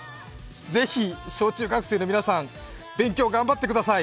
ぜひ、小中学生の皆さん、勉強頑張ってください。